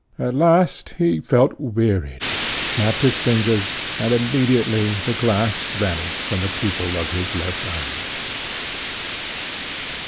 At last he felt wearied, snapped his fingers, and immediately the glass vanished from the pupil of his left eye.